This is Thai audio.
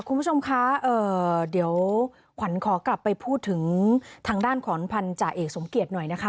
คุณผู้ชมคะเดี๋ยวขวัญขอกลับไปพูดถึงทางด้านของพันธาเอกสมเกียจหน่อยนะคะ